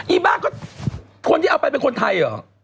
อ้าก็คนที่เอาไปเป็นคนไทยเหรอ